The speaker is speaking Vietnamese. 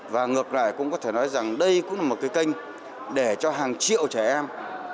và ngược lại cũng có thể nói rằng đây cũng là một cái kênh để cho hàng triệu trẻ em